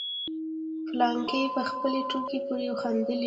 فلانکي په خپلې ټوکې پورې خندل.